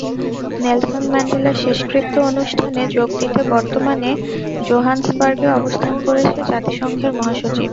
Nelson ম্যান্ডেলার শেষকৃত্য অনুষ্ঠানে যোগ দিতে বর্তমানে জোহান্সবার্গে অবস্থান করছেন জাতিসংঘ মহাসচিব।